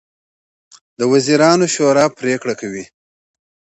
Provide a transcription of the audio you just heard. د وزیرانو شورا پریکړې کوي